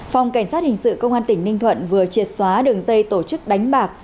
phòng cảnh sát hình sự công an tỉnh ninh thuận vừa triệt xóa đường dây tổ chức đánh bạc